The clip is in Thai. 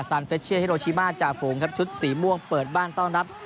เฟชเชียเฮโรชิมาจ่าฝูงครับชุดสีม่วงเปิดบ้านต้อนรับ